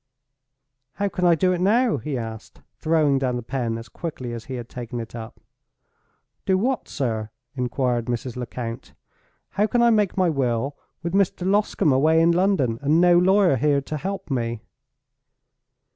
"How can I do it now?" he asked, throwing down the pen as quickly as he had taken it up. "Do what, sir?" inquired Mrs. Lecount. "How can I make my will, with Mr. Loscombe away in London, and no lawyer here to help me?"